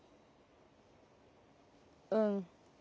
うん。